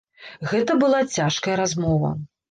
Гэта была цяжкая размова.